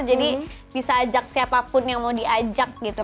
jadi bisa ajak siapapun yang mau diajak gitu